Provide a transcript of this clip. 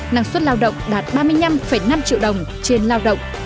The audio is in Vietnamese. năng suất lao động đạt ba mươi năm năm triệu đồng trên lao động